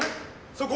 そこ。